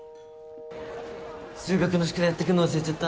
数学の宿題やってくんの忘れちゃった。